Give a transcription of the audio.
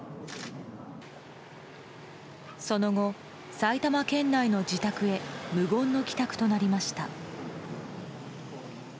その後、埼玉県内の自宅へ無言の帰宅となりました。